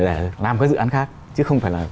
để làm các dự án khác chứ không phải là